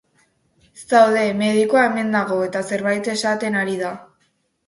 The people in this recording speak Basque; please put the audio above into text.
Zaude, medikua hemen dago eta zerbait esaten ari da.